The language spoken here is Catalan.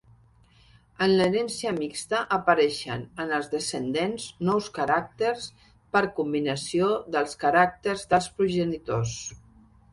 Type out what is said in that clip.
En l'herència mixta apareixen en els descendents nous caràcters per combinació dels caràcters dels progenitors.